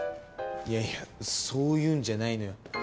いやいやそういうんじゃないのよ。